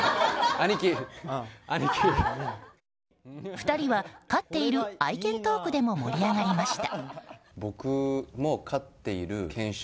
２人は飼っている愛犬トークでも盛り上がりました。